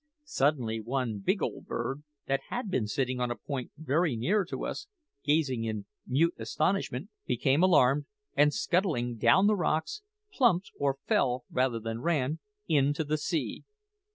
Suddenly one big old bird, that had been sitting on a point very near to us, gazing in mute astonishment, became alarmed, and scuttling down the rocks, plumped or fell, rather than ran, into the sea.